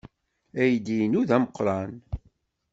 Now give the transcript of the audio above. Aydi-inu d ameqran.